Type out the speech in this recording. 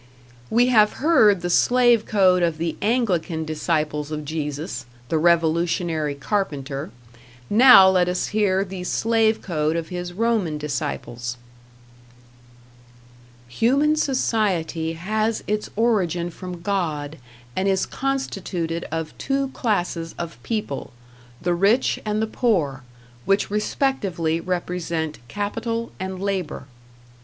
We have heard the slave code of the Anglican disciples of Jesus, the revolutionary carpenter; now let us hear the slave code of his Roman disciples: Human society has its origin from God and is constituted of two classes of people, the rich and the poor, which respectively represent Capital and Labor.